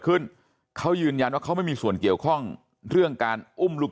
ขึ้นเขายืนยันว่าเขาไม่มีส่วนเกี่ยวข้องเรื่องการอุ้มลูก